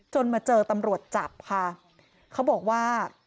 จนมาเจอตำรวจจับค่ะ